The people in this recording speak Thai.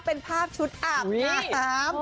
เป็นภาพชุดอาบงาม